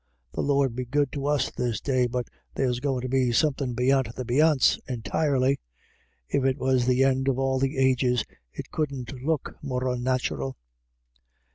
The Lord be good to us this day, but there's goin* to be somethin' beyant the beyants entirely. If it was the end of all the ages, it couldn't look more onnatural."